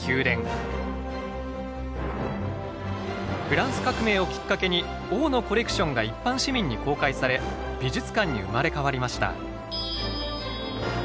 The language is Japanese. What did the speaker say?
フランス革命をきっかけに王のコレクションが一般市民に公開され美術館に生まれ変わりました。